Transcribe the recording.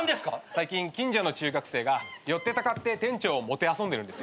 最近近所の中学生が寄ってたかって店長をもてあそんでるんですよ。